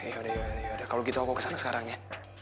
yaudah yaudah kalo gitu aku kesana sekarang ya